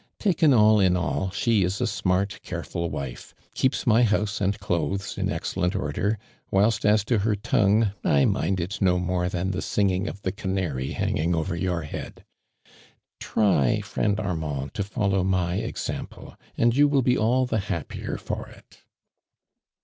Taken all in all, she is a smart, careful wife — keeps my house and clothes in excellent order, whilst as to her tongue, I mind it no more tlmn the singing of the canary hanging over your head. Try, friend Armand, to follow my example, and you will be all the happier for it."